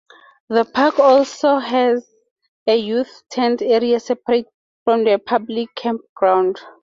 The park also has a Youth Tent Area separate from the public campground.